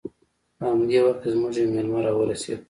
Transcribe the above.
په همدې وخت کې زموږ یو میلمه راورسید